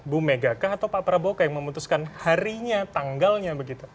bu mega kah atau pak prabowo kah yang memutuskan harinya tanggalnya begitu